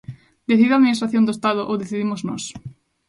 ¿Decide a Administración do Estado ou decidimos nós?